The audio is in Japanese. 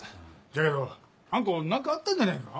じゃけどあん子何かあったんじゃないんか？